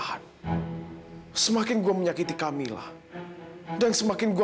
kenapa lu pake kacamata itu